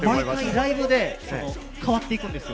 ライブで変わっていくんですよ。